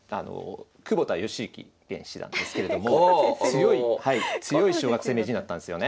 窪田義行現七段ですけれども強い小学生名人だったんですよね。